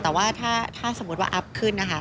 แต่ว่าถ้าสมมุติว่าอัพขึ้นนะคะ